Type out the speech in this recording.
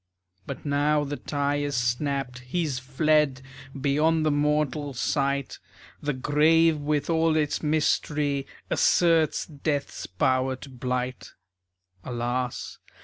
But now the tie is snapped. He's fled Beyond the mortal sight. The grave with all its mystery Asserts Death's power to blight. Alas!